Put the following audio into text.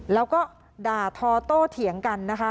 แล้วก็ด่าทอโต้เถียงกันนะคะ